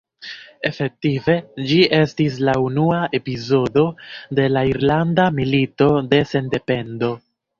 Efektive ĝi estis la unua epizodo de la Irlanda Milito de Sendependo.